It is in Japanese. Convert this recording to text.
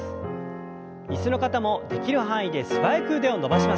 椅子の方もできる範囲で素早く腕を伸ばしましょう。